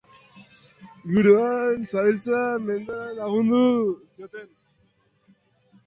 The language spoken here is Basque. Inguruan zebiltzan mendaroarrek lagundu zioten.